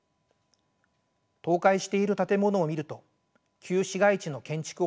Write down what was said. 倒壊している建物を見ると旧市街地の建築方法が分かります。